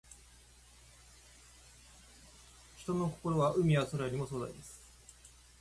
人の心は、海や空よりも壮大です。